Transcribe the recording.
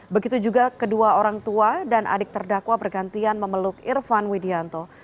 begitu juga kedua orang tua dan adik terdakwa bergantian memeluk irfan widianto